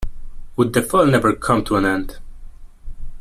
Would the fall never come to an end!